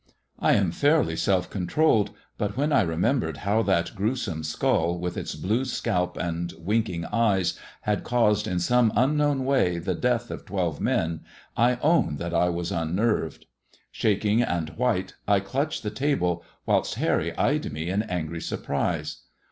I am fairly self controlled, but when I remem bered how that gruesome skull, with its blue scalp and winking eyes, had caused in some unknown way the death of twelve men, I own that I was unnerved. Shaking and white, I clutched the table, whilst Harry eyed me in angry surprise.